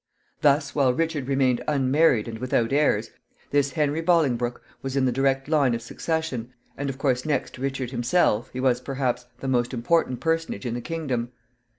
Thus, while Richard remained unmarried and without heirs, this Henry Bolingbroke was in the direct line of succession, and, of course, next to Richard himself, he was, perhaps, the most important personage in the kingdom.